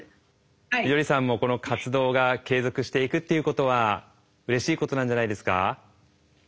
みどりさんもこの活動が継続していくっていうことはうれしいことなんじゃないですか？